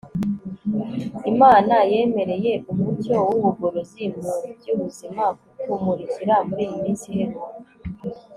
imana yemereye umucyo w'ubugorozi mu by'ubuzima kutumurikira muri iyi minsi iheruka